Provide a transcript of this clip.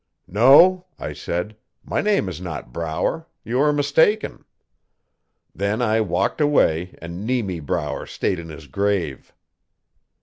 '"No," I said, "my name is not Brower. You are mistaken." 'Then I walked away and Nemy Brower stayed in his grave.